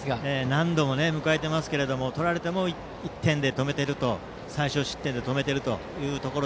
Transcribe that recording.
何度も迎えていますけど取られても１点で止めていると最少失点で止めています。